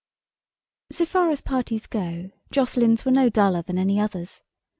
So far as parties go, Jocelyn's were no duller than any others.